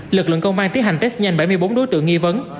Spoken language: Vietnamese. lực lượng công an tiến hành test nhanh bảy mươi bốn đối tượng nghi vấn